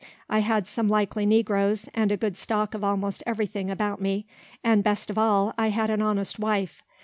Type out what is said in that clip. I had some likely negroes, and a good stock of almost every thing about me, and, best of all, I had an honest wife.